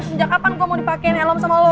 sejak kapan gue mau dipakein helm sama lu